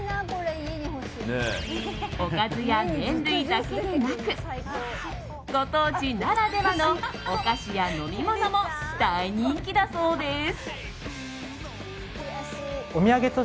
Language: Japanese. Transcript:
おかずや麺類だけでなくご当地ならではのお菓子や飲み物も大人気だそうです。